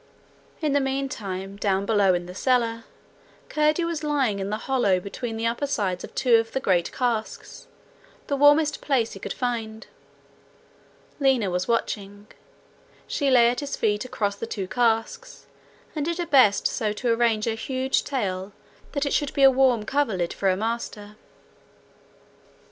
In the meantime, down below in the cellar, Curdie was lying in the hollow between the upper sides of two of the great casks, the warmest place he could find. Lina was watching. She lay at his feet, across the two casks, and did her best so to arrange her huge tail that it should be a warm coverlid for her master.